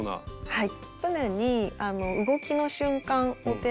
はい。